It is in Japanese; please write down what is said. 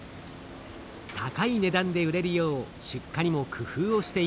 高い値段で売れるよう出荷にも工夫をしています。